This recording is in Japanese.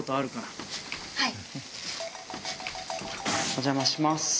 お邪魔します。